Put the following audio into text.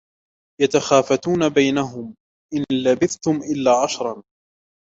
يَتَخَافَتُونَ بَيْنَهُمْ إِنْ لَبِثْتُمْ إِلَّا عَشْرًا